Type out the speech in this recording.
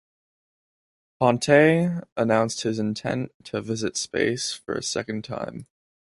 Pontes announced his intent to visit space for a second time.